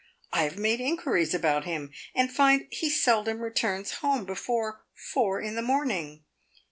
I have made inquiries about him, and find he seldom returns home before four in the morning.